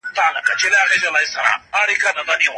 هره ورځ نوي شیان زده کوئ.